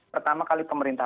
pertama kali pemerintah